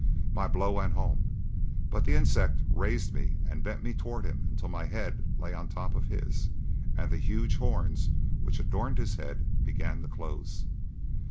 My blow went home, but the insect raised me and bent me toward him until my head lay on top of his and the huge horns which adorned his head began to close.